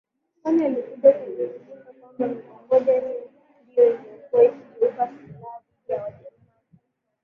kwani ilikuja kugundulika kwamba mikongoja hiyo ndiyo ilikuwa ikigeuka silaha dhidi ya Wajerumani